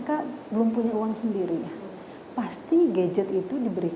yang dengan program yangitol uniaget adjustery